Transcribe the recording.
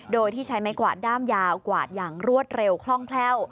โดยที่ใช้ไม้กวาดด้ามยาวกวาดอย่างรวดเร็วคล่องแคล่ว